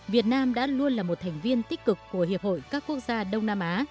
việt nam đã luôn là một thành viên tích cực của hiệp hội các quốc gia đông nam á